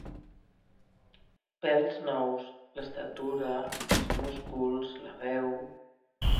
Pèls nous, l'estatura, els músculs, la veu...